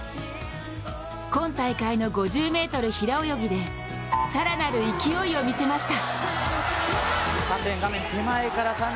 今大会の５０ｍ平泳ぎで更なる勢いを見せました。